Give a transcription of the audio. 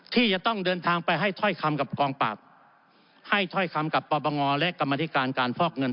ที่จะต้องเดินทางไปให้ถ้อยคำกับกองปราบให้ถ้อยคำกับปปงและกรรมธิการการฟอกเงิน